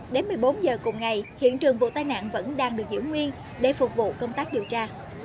đến một mươi bốn giờ cùng ngày hiện trường vụ tai nạn vẫn đang được giữ nguyên để phục vụ công tác điều tra